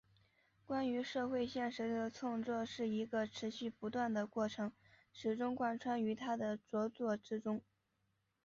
关于社会现实的创造是一个持续不断的过程始终贯穿于他的着作之中。